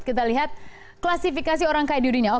kita lihat klasifikasi orang kaya di dunia